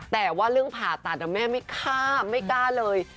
แต่ว่าเรื่องผ่าตัดแม่ไม่ฆ่าไม่กล้าเลย